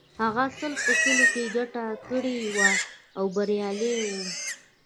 هغه سل په سلو کې ګټه کړې وه او بریالی و